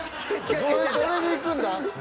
どれでいくんだ？